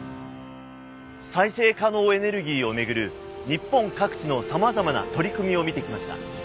再生可能エネルギーを巡る日本各地の様々な取り組みを見てきました。